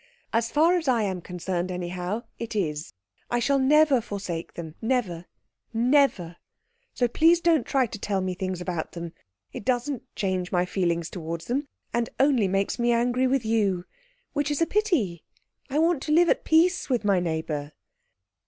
As far as I am concerned, anyhow, it is. I shall never forsake them, never, never. So please don't try to tell me things about them it doesn't change my feelings towards them, and only makes me angry with you. Which is a pity. I want to live at peace with my neighbour."